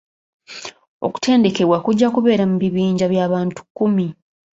Okutendekebwa kujja kubeera mu bibinja by'abantu kkumi.